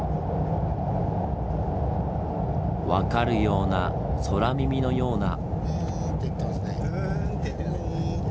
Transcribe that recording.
分かるような空耳のような。